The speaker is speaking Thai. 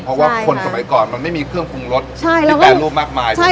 เพราะว่าคนสมัยก่อนมันไม่มีเครื่องปรุงรสที่แปรรูปมากมายใช่ไหม